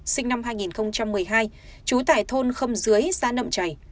sinh năm hai nghìn một mươi hai trú tại thôn khâm dưới xã nậm chảy